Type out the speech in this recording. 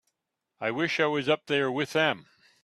I wish I was up there with them.